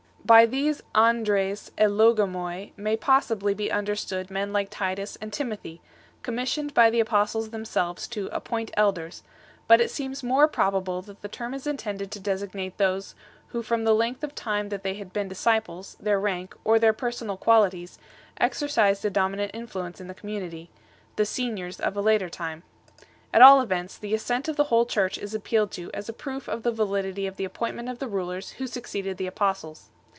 By these aVSpe? \\6yi^oL may possibly be understood men like Titus and Timothy, commissioned by the apostles themselves to "appoint elders"; but it seems more probable that the term is intended to de signate those who from the length of time that they had been disciples, their rank, or their personal qualities, exercised a dominant influence in the community; the " seniors 7 " of a later time. At all events, the assent of the whole Church is appealed to as a proof of the validity of the appointment of the rulers who succeeded the apostles.